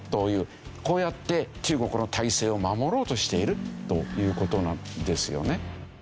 こうやって中国の体制を守ろうとしているという事なんですよね。